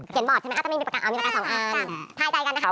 เขียนบอร์ดใช่ไหมคะเอา๒อันทายใจกันนะครับ